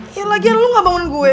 yelah lagian lu gak bangun gue